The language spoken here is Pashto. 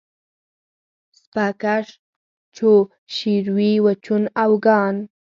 سپه کش چو شیروي و چون آوگان